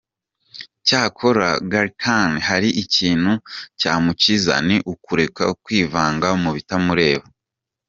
Cyakora Gallican hari ikintu cyamukiza, ni ukureka kwivanga mu bitakureba.